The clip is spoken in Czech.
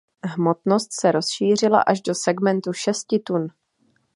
Hmotnost se rozšířila až do segmentu šesti tun.